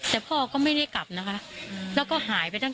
แต่น้อยครั้งที่พ่อจะออกไปนอกบ้าน